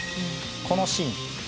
このシーン。